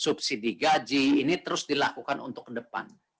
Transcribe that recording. subsidi gaji ini terus dilakukan untuk ke depan